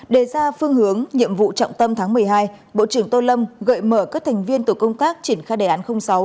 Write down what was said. đề ra phương hướng nhiệm vụ trọng tâm tháng một mươi hai bộ trưởng tô lâm gợi mở các thành viên tổ công tác triển khai đề án sáu